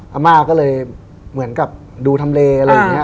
อาม่าก็เลยเหมือนกับดูทำเลอะไรอย่างนี้